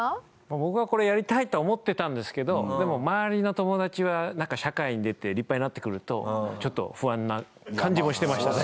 僕はこれやりたいとは思ってたんですけどでも周りの友達は社会に出て立派になってくるとちょっと不安な感じもしてましたね。